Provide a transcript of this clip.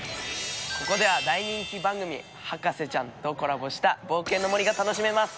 ここでは大人気番組『博士ちゃん』とコラボした冒険の森が楽しめます。